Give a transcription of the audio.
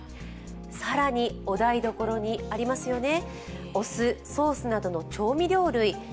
更にお台所にありますよね、お酢、ソースなどの調味料類。